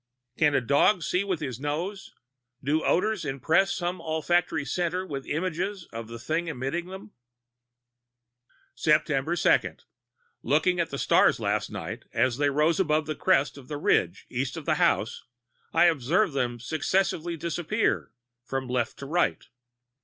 "Can a dog see with his nose? Do odors impress some olfactory centre with images of the thing emitting them? ... "Sept 2. Looking at the stars last night as they rose above the crest of the ridge east of the house, I observed them successively disappear from left to right.